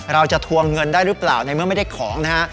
ทวงเงินได้หรือเปล่าในเมื่อไม่ได้ของนะฮะ